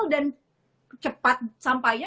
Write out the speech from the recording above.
dan cepat sampainya